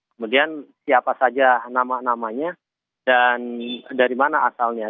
kemudian siapa saja nama namanya dan dari mana asalnya